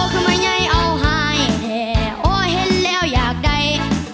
โอ๋คุณป่อยยัยเอาหายแท้โอ๋เห็นแล้วอยากได้